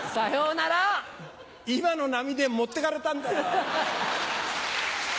今の波で持ってかれたんだよ。